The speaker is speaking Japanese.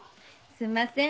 すんません。